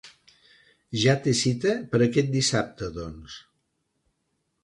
Ja té cita per aquest dissabte, doncs.